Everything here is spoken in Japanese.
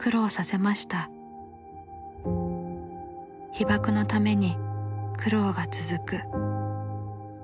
被爆の為に苦労が続く。